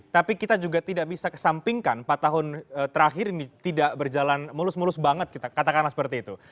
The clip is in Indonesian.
tapi kita juga tidak bisa kesampingkan empat tahun terakhir ini tidak berjalan mulus mulus banget kita katakanlah seperti itu